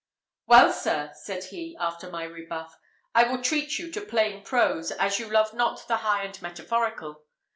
"Well, sir," said he, after my rebuff, "I will treat you to plain prose, as you love not the high and metaphorical.